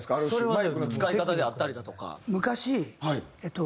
マイクの使い方であったりだとか。